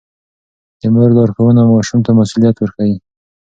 د مور لارښوونه ماشوم ته مسووليت ورښيي.